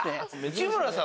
内村さん